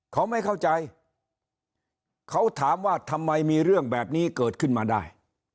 เขาไม่เข้าใจเขาถามว่าทำไมมีเรื่องแบบนี้เกิดขึ้นมาได้